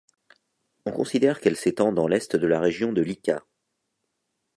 On considère qu'elle s'étend dans l'est de la région de Lika.